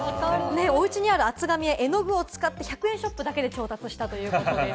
おうちにある厚紙や絵の具を使って１００円ショップだけで調達したということです。